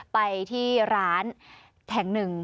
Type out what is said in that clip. ไปที่ร้านแห่งหนึ่ง